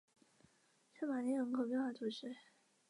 圣玛丽人口变化图示